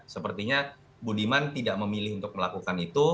sepertinya budiman tidak memilih untuk melakukan itu